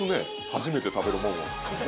初めて食べるもんを。